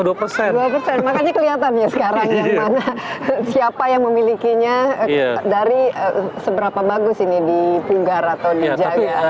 makanya kelihatan ya sekarang yang mana siapa yang memilikinya dari seberapa bagus ini di punggara atau di jawa